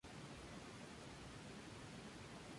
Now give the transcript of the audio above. Los últimos años de su vida los pasó acosado por la enfermedad.